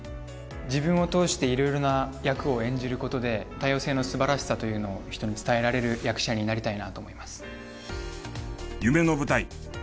自分を通して色々な役を演じる事で多様性の素晴らしさというのを人に伝えられる役者になりたいなと思います。